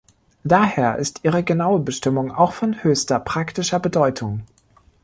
Daher ist ihre genaue Bestimmung auch von höchster praktischer Bedeutung.